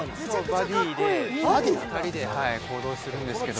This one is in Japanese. バディで２人で行動するんですけど。